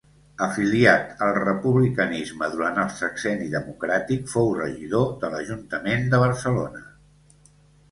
Afiliat al republicanisme, durant el sexenni democràtic fou regidor de l'Ajuntament de Barcelona.